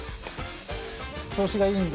調子がいいので。